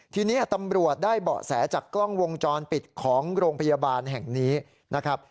ทีนี้ตำรวจได้เบาะแสจากกล้องวงจรปิดของโรงพยาบาลแห่งนี้นะครับ